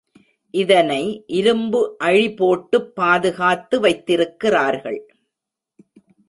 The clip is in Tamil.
இதனை இரும்பு அழி போட்டுப் பாதுகாத்து வைத்திருக்கிறார்கள்.